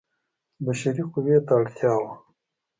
بشري قوې ته اړتیا وه.